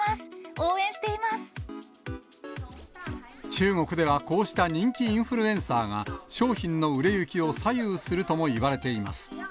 応援していま中国では、こうした人気インフルエンサーが、商品の売れ行きを左右するともいわれています。